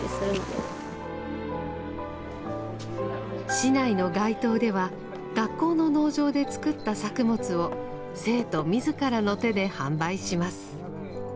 市内の街頭では学校の農場で作った作物を生徒自らの手で販売します。